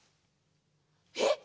えっ？